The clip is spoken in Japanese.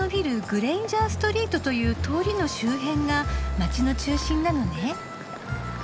グレインジャーストリートという通りの周辺が街の中心なのね。